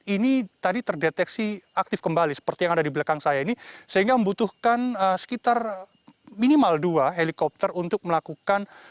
ini tadi terdeteksi aktif kembali seperti yang ada di belakang saya ini sehingga membutuhkan sekitar minimal dua helikopter untuk melakukan